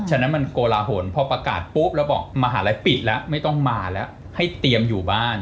ฉะนั้นมันโกลาหลพอประกาศปุ๊บแล้วบอกมหาลัยปิดแล้วไม่ต้องมาแล้วให้เตรียมอยู่บ้าน